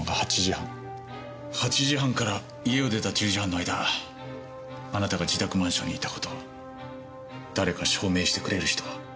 ８時半から家を出た１０時半の間あなたが自宅マンションにいた事誰か証明してくれる人は？